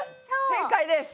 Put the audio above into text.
正解です。